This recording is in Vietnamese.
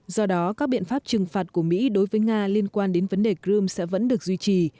do đó các biện pháp trừng phạt của mỹ đối với nga liên quan đến vấn đề crimea sẽ vẫn được duy trì